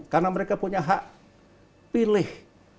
karena mereka punya hak pilih